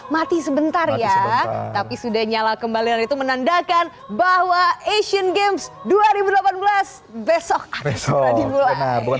mati sebentar ya tapi sudah nyala kembali dan itu menandakan bahwa asian games dua ribu delapan belas besok dimulai